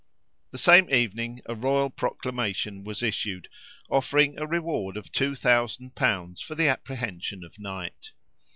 The same evening a royal proclamation was issued, offering a reward of two thousand pounds for the apprehension of Knight.